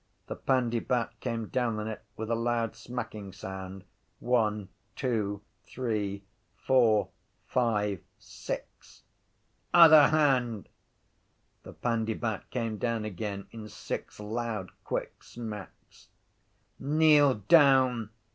The pandybat came down on it with a loud smacking sound: one, two, three, four, five, six. —Other hand! The pandybat came down again in six loud quick smacks. —Kneel down!